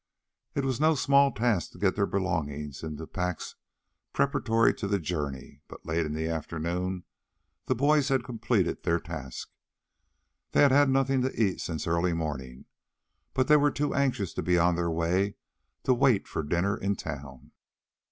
It was no small task to get their belongings in packs preparatory to the journey; but late in the afternoon the boys had completed their task. They had had nothing to eat since early morning. But they were too anxious to be on their way to wait for dinner in town.